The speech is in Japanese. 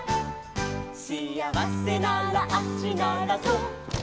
「しあわせなら足ならそう」